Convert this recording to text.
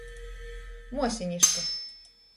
Muosiniška.